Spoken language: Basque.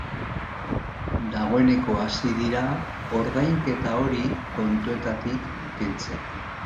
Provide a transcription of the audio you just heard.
Dagoeneko hasi dira ordainketa hori kontuetatik kentzen.